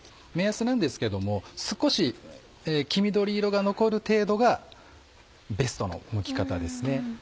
目安なんですけども少し黄緑色が残る程度がベストのむき方ですね。